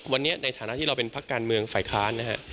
วันนี้ในฐานะที่เราเป็นพักการเมืองฝ่ายค้านนะฮะ